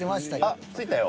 あっ着いたよ。